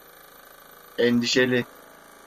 Endişeli…